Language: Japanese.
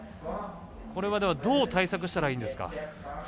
これは、どう対策すればいいんですか？